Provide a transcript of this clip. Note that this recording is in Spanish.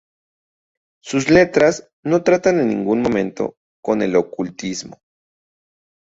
Sus letras no tratan en ningún momento con el ocultismo.